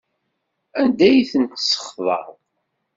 Anda ay ten-tesseɣtaḍ?